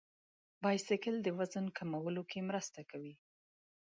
بایسکل د وزن کمولو کې مرسته کوي.